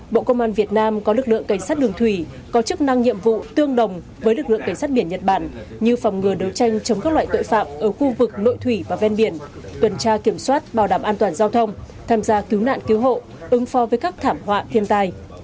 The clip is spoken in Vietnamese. bộ công an việt nam có lực lượng cảnh sát đường thủy có chức năng nhiệm vụ tương đồng với lực lượng cảnh sát biển nhật bản như phòng ngừa đấu tranh chống các loại tội phạm ở khu vực nội thủy và ven biển tuần tra kiểm soát bảo đảm an toàn giao thông tham gia cứu nạn cứu hộ ứng pho với các thảm họa thiên tai